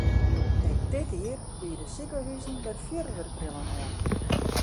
Ek dit jier biede sikehuzen wer fjurwurkbrillen oan.